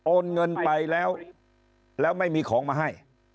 โอนเงินไปแล้วแล้วไม่มีของมาให้